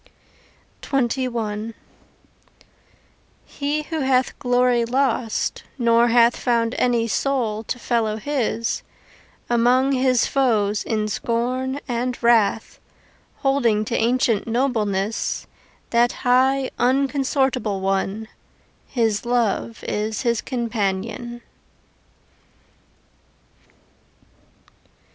XXI He who hath glory lost, nor hath Found any soul to fellow his, Among his foes in scorn and wrath Holding to ancient nobleness, That high unconsortable one His love is his companion.